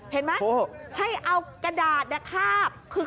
เห็นมะให้เอากระดาษกระทาบคือ